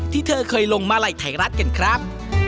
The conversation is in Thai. ที่เธอเคยลงมาลัยไทยรัฐกันครับ